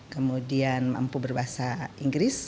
kemudian mampu berbahasa inggris